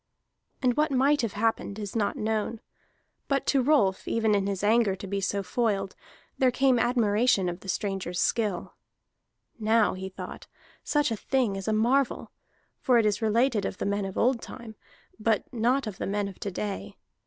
And what might have happened is not known. But to Rolf, even in his anger to be so foiled, there came admiration of the stranger's skill. "Now," he thought, "such a thing is a marvel, for it is related of the men of old time, but not of the men of to day.